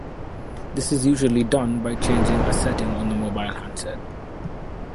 This is usually done by changing a Setting on the mobile handset.